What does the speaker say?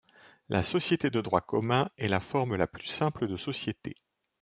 La société de droit commun est la forme la plus simple de société.